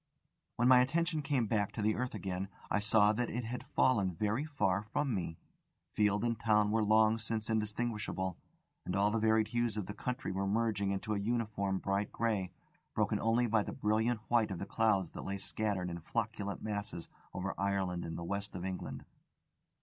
When my attention came back to the earth again, I saw that it had fallen very far away from me. Field and town were long since indistinguishable, and all the varied hues of the country were merging into a uniform bright grey, broken only by the brilliant white of the clouds that lay scattered in flocculent masses over Ireland and the west of England.